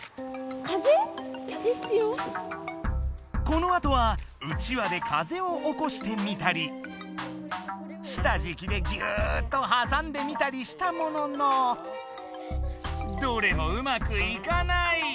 このあとはうちわで風をおこしてみたり下じきでギューッとはさんでみたりしたもののどれもうまくいかない。